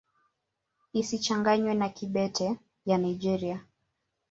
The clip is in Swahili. Isichanganywe na Kibete ya Nigeria.